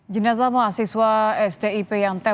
jenderal mahasiswa stip yang terkenal